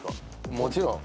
もちろん。